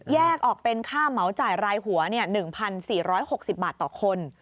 ออกเป็นค่าเหมาจ่ายรายหัว๑๔๖๐บาทต่อคน